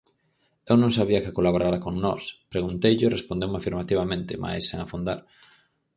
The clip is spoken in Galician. Eu non sabía que colaborara con Nós, pregunteillo e respondeume afirmativamente, mais sen afondar.